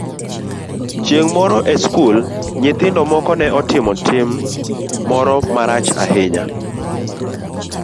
Chieng' moro e skul, nyithindo moko ne otimo tim moro marach ahinya.